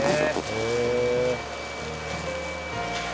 へえ。